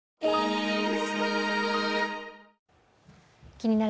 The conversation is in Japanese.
「気になる！